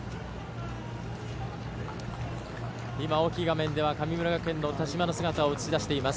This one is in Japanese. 大きい画面では神村学園の田島の姿を映し出しています。